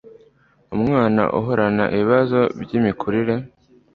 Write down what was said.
umwana uhorana ibibazo by'imikurire